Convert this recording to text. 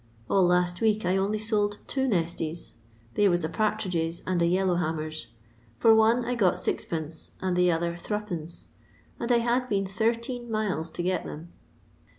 All lost week I only sold two nesties — they was a partridge's and a yellow hammer's ; for one I got 6</., and the other Zd.f and I had been thirteen miles to get them.